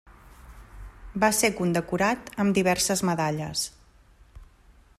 Va ser condecorat amb diverses medalles.